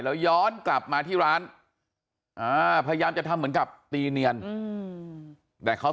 แล้วย้อนกลับมาที่ร้านพยายามจะทำเหมือนกับตีเนียนแต่เขา